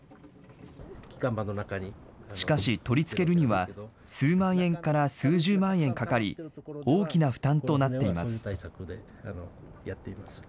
しかし、取り付けるには数万円から数十万円かかり、大きな負担となっています。